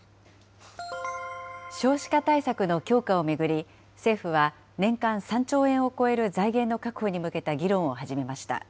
少子化対策の強化を巡り、政府は年間３兆円を超える財源の確保に向けた議論を始めました。